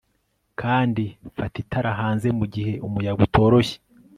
kandi fata itara hanze, mugihe umuyaga utoroshye